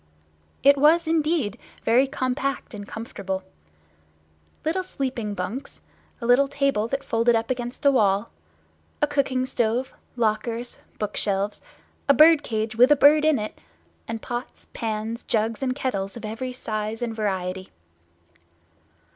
It was indeed very compact and comfortable. Little sleeping bunks—a little table that folded up against the wall—a cooking stove, lockers, bookshelves, a bird cage with a bird in it; and pots, pans, jugs and kettles of every size and variety.